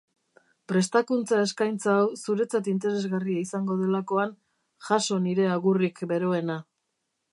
Prestakuntza-eskaintza hau zuretzat interesgarria izango delakoan, jaso nire agurrik beroena.